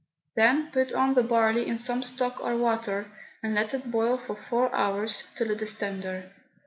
Then put on the barley in some stock or water, and let it boil for four hours, till it is tender.